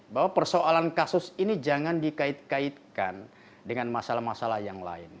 bahwa persoalan kasus ini jangan dikait kaitkan dengan masalah masalah yang lain